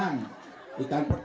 ikan pedang pak